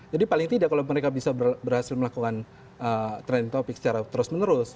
jadi paling tidak kalau mereka bisa berhasil melakukan trending topic secara terus menerus